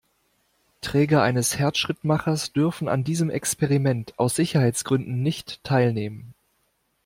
Träger eines Herzschrittmachers dürfen an diesem Experiment aus Sicherheitsgründen nicht teilnehmen.